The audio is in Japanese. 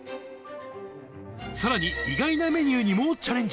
さらに意外なメニューにもチャレンジ。